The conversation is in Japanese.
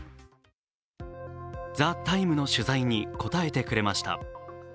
「ＴＨＥＴＩＭＥ，」の取材に答えてくれました。